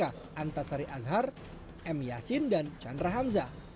antasari azhar m yasin dan chandra hamzah